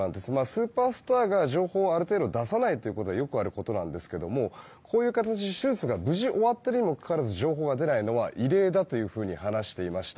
スーパースターが情報をある程度出さないことはよくあることなんですがこういう形で手術が無事に終わっているにもかかわらず情報が出ないのは異例だと話していました。